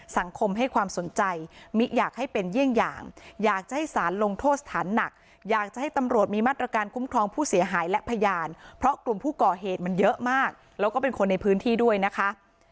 สังคมให้ความสนใจมิอยากให้เป็นเยี่ยงอย่างอยากจะให้สารลงโทษสถานหนักอยากจะให้ตำรวจมีมาตรการคุ้มครองผู้เสียหายและพยานเพราะกลุ่มผู้ก่อเหตุมันเยอะมากแล้วก็เป็นคนในพื้นที่ด้วยนะคะ